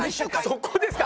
そこですか？